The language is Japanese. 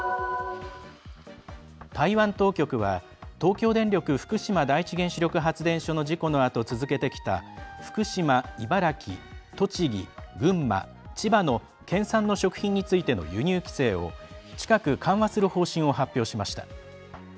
台湾当局は東京電力福島第一原子力発電所の事故のあと続けてきた福島、茨城、栃木、群馬、千葉の県産の食品についての輸入規制を近く緩和する方針を発表しました。